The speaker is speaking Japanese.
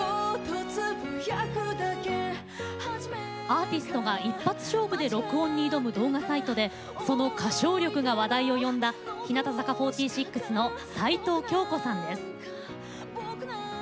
アーティストが一発勝負で録音に挑む動画サイトでその歌唱力が話題を呼んだ日向坂４６の齊藤京子さんです。